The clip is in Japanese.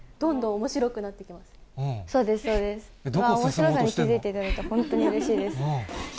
おもしろさに気付いていただいて、本当にうれしいです。